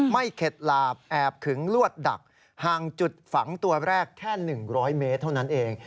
เข็ดหลาบแอบขึงลวดดักห่างจุดฝังตัวแรกแค่๑๐๐เมตรเท่านั้นเอง